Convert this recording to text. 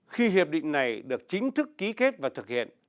khi hiệp định này được chính thức ký kết và thực hiện